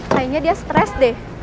kayaknya dia stres deh